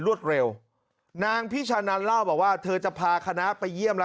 รวดเร็วนางพิชานันเล่าบอกว่าเธอจะพาคณะไปเยี่ยมแล้ว